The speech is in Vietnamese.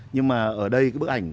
nhưng mà ở đây cái bức ảnh